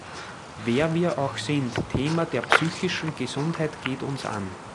Wer wir auch sind, Thema der psychischen Gesundheit geht uns an.